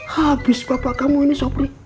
habis bapak kamu ini sopri